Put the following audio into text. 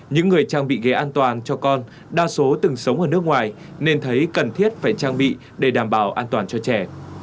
những người trang bị ghế an toàn cho con đa số từng sống ở nước ngoài nên thấy cần thiết phải trang bị để đảm bảo an toàn cho trẻ